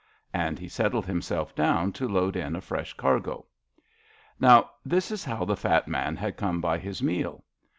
And he settled himself down to load in a fresh cargo. Now, this is how the fat man had come by his meal.